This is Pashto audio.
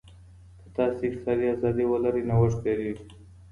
که تاسي اقتصادي ازادي ولرئ، نوښت ډېرېږي.